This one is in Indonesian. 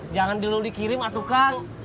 jangan dulu dikirim atau kang